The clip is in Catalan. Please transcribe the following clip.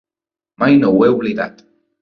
Mai no ho he oblidat.